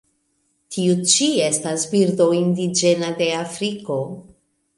Tiu ĉi estas birdo indiĝena de Afriko.